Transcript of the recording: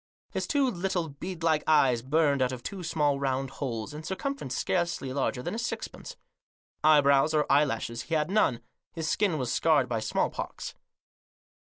His two little bead like eyes burned out of two small round holes, in circumference scarcely larger than a sixpence. Eyebrows or eyelashes he had none. His skin was scarred by smallpox.